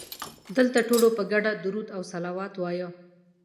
دلته ټولو په ګډه درود او صلوات وایه.